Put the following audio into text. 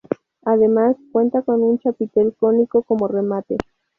Además cuenta con un chapitel cónico como remate.